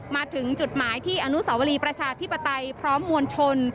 มาถึงจุดหมายที่อนุสาวรีประชาธิปไตยพร้อมมวลชน